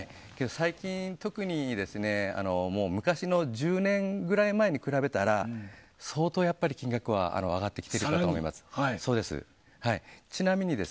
最近特に昔の１０年ぐらい前に比べたら相当、金額は上がってきているかと思います。